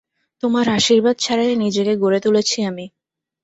তোমার আশির্বাদ ছাড়াই নিজেকে গড়ে তুলেছি আমি।